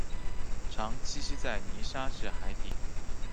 常栖息在泥沙质海底。